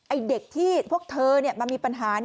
เด็กที่พวกเธอมามีปัญหา